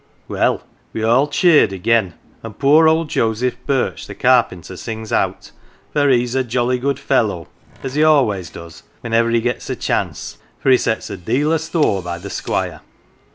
Well, we all cheered again, and poor old Joseph Birch, the carpenter, sings out, ' For he's a jolly good fellow, 1 as he always does whenever he gets a chance, for he sets a deal of store by the Squire.